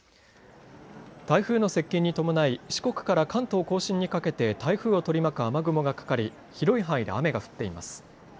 台風の接近に伴い四国から関東甲信にかけて台風を取り巻く雨雲がかかり広い範囲で雨が降っています。